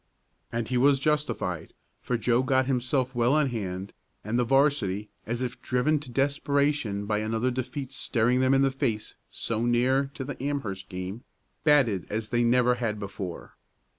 And he was justified, for Joe got himself well in hand, and the 'varsity, as if driven to desperation by another defeat staring them in the face so near to the Amherst game, batted as they never had before.